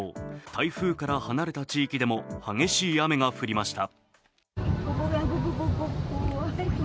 台風から離れた地域でも激しい雨が降りました。